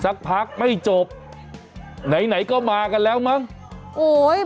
สักพักไม่จบไหนไหนก็มากันแล้วมั้งโอ้ย